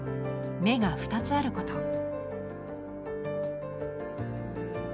「目が２つあること」。